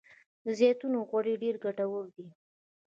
د زیتون غوړي ډیر ګټور دي.